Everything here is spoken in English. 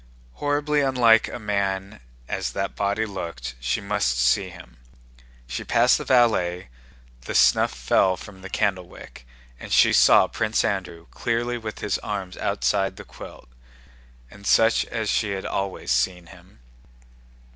Horribly unlike a man as that body looked, she must see him. She passed the valet, the snuff fell from the candle wick, and she saw Prince Andrew clearly with his arms outside the quilt, and such as she had always seen him.